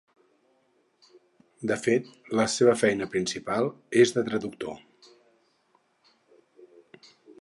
De fet, la seva feina principal és de traductor.